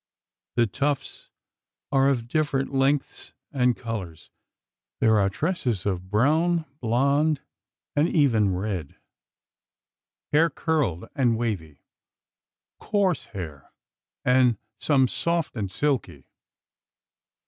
The tufts are of different lengths and colours. There are tresses of brown, blonde, and even red; hair curled and wavy; coarse hair; and some soft and silky.